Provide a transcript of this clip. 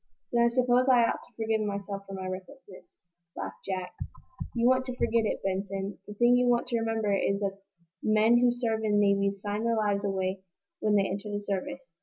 "Then I suppose I ought to forgive myself for my recklessness," laughed Jack. "You want to forget it, Benson. The thing you want to remember is that men who serve in navies sign their lives away when they enter the service.